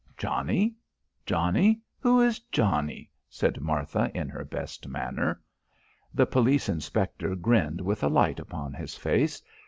"Johnnie? Johnnie? Who is Johnnie?" said Martha in her best manner. The police inspector grinned with the light upon his face.